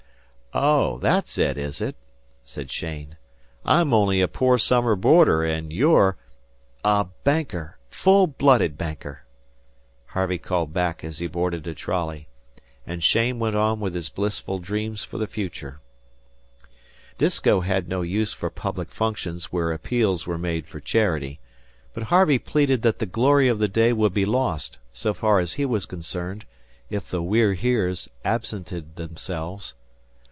"Oh, that's it, is it," said Cheyne. "I'm only a poor summer boarder, and you're " "A Banker full blooded Banker," Harvey called back as he boarded a trolley, and Cheyne went on with his blissful dreams for the future. Disko had no use for public functions where appeals were made for charity, but Harvey pleaded that the glory of the day would be lost, so far as he was concerned, if the We're Heres absented themselves.